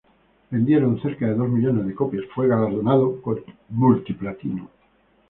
Vendiendo cerca de dos millones de copias, fue galardonado con el multi-platino.